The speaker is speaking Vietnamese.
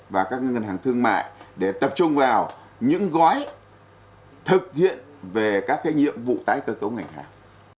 và các ngân hàng thương mại để tập trung vào những gói thực hiện về các nhiệm vụ tái cơ cấu ngành hàng